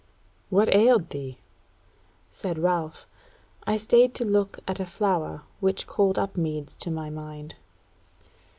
"What ailed thee?" said Ralph. "I stayed to look at a flower which called Upmeads to my mind."